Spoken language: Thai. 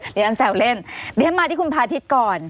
เดี๋ยวฉันแซวเล่นเดี๋ยวฉันมาที่คุณพาทิศก่อน